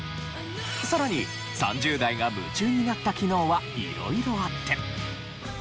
さらに３０代が夢中になった機能は色々あって。